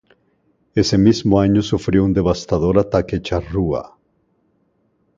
Ese mismo año sufrió un devastador ataque charrúa.